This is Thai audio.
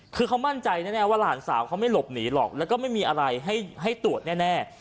คือเขามั่นใจแน่ว่าหลานสาวเขาไม่หลบหนีหรอกแล้วก็ไม่มีอะไรให้ตรวจแน่